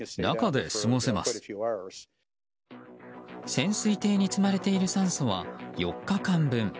潜水艇に積まれている酸素は４日間分。